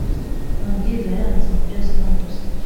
umubwiriza yaranditse ngo byose nubusa